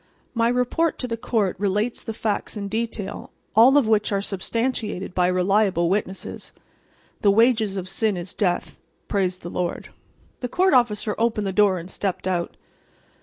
My report to the court relates the facts in detail, all of which are substantiated by reliable witnesses. The wages of sin is death. Praise the Lord." The court officer opened the door and stepped out.